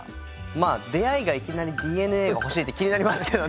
まあ出会いがいきなり「ＤＮＡが欲しい」って気になりますけどね。